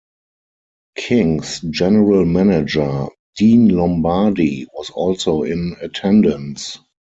Kings general manager Dean Lombardi was also in attendance.